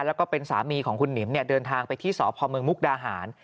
แล้วก็เป็นสามีของคุณหนิมเดินทางไปที่สพเมืองมุกดาหาร